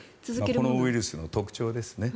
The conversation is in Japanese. このウイルスの特徴ですね。